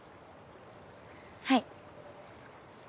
はい。